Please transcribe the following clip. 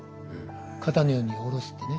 肩の荷を下ろすってね。